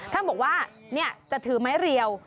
ท่านบอกว่าจะถือไม้เรียว